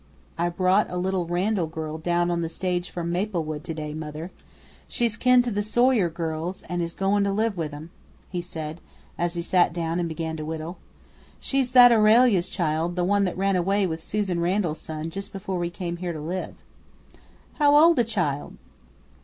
"I brought a little Randall girl down on the stage from Maplewood to day, mother. She's kin to the Sawyer girls an' is goin' to live with 'em," he said, as he sat down and began to whittle. "She's that Aurelia's child, the one that ran away with Susan Randall's son just before we come here to live." "How old a child?"